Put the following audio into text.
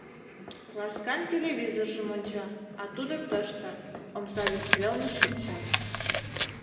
Ласкан телевизоржым онча, а тудо тыштак, омса вес велне, шинча.